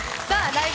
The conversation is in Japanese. ライブ！